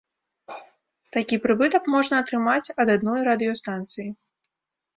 Такі прыбытак можна атрымаць ад адной радыёстанцыі.